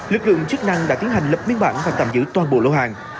lực lượng chức năng đã tiến hành lập biên bản và tạm giữ toàn bộ lô hàng